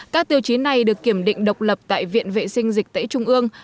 các tiêu chí này được kiểm định độc lập tại viện vệ sinh dịch tễ trung ương